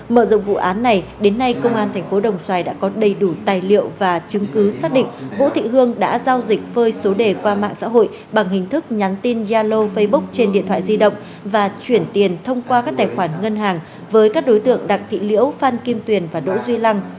mở rộng vụ án này đến nay công an tp đồng xoài đã có đầy đủ tài liệu và chứng cứ xác định vũ thị hương đã giao dịch phơi số đề qua mạng xã hội bằng hình thức nhắn tin yalo facebook trên điện thoại di động và chuyển tiền thông qua các tài khoản ngân hàng với các đối tượng đặng thị liễu phan kim tuyền và đỗ duy lăng